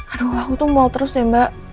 aduh aku tuh mau terus deh mbak